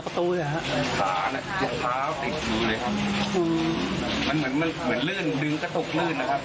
มันเหมือนเลื่อนดึงก็ตกเลื่อนนะครับ